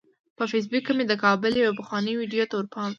په فیسبوک کې مې د کابل یوې پخوانۍ ویډیو ته ورپام شو.